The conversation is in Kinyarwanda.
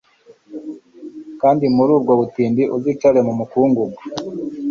kandi muri ubwo butindi, uzicare mu mukungugu